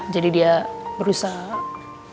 jadi dia berusaha